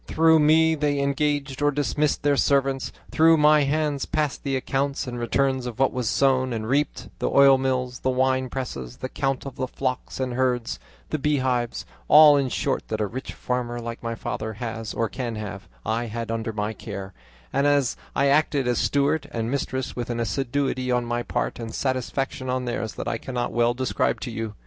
Through me they engaged or dismissed their servants; through my hands passed the accounts and returns of what was sown and reaped; the oil mills, the wine presses, the count of the flocks and herds, the beehives, all in short that a rich farmer like my father has or can have, I had under my care, and I acted as steward and mistress with an assiduity on my part and satisfaction on theirs that I cannot well describe to you.